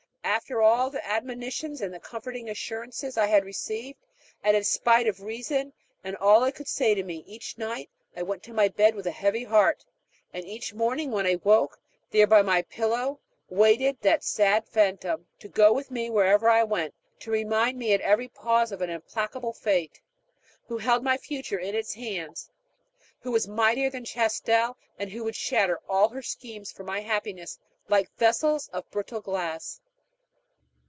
After all the admonitions and the comforting assurances I had received, and in spite of reason and all it could say to me, each night I went to my bed with a heavy heart; and each morning when I woke, there, by my pillow, waited that sad phantom, to go with me where I went, to remind me at every pause of an implacable Fate, who held my future in its hands, who was mightier than Chastel, and would shatter all her schemes for my happiness like vessels of brittle glass.